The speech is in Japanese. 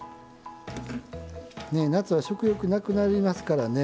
ね夏は食欲なくなりますからね。